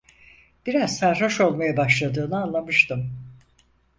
Biraz sarhoş olmaya başladığını anlamıştım.